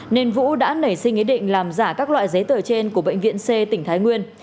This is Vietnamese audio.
nên vũ đã nảy sinh ý định làm giả các loại giấy tờ trên của bệnh viện c tỉnh thái nguyên